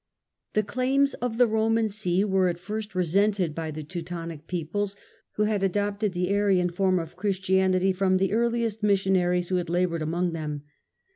The claims of the Roman See were at first resented >y the Teutonic peoples, who had adopted the Aria,^ orm of Christianity from the earliest missionaries who lad laboured among them.